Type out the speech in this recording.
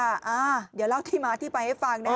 เดี๋ยวเล่าที่มาที่ไปให้ฟังนะคะ